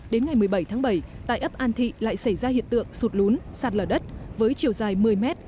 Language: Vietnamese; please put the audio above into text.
đến ngày một mươi bảy tháng bảy tại ấp an thị lại xảy ra hiện tượng sụt lún sạt lở đất với chiều dài một mươi mét